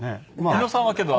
日野さんはけど